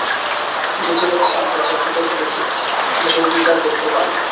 দ্যুতি হচ্ছে অন্তর্জ্যোতির প্রতীক, যোগী তা দেখতে পান।